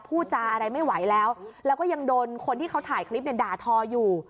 พูดจาอะไรไม่ไหวแล้วแล้วก็ยังโดนคนที่เขาถ่ายคลิปเนี่ยด่าทออยู่